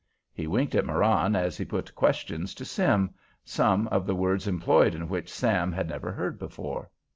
He winked at Marann as he put questions to Sim, some of the words employed in which Sim had never heard before.